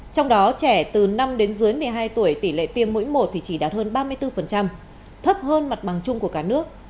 trong đó trẻ từ năm đến dưới một mươi hai tuổi tỷ lệ tiêm mũi một thì chỉ đạt hơn ba mươi bốn thấp hơn mặt bằng chung của cả nước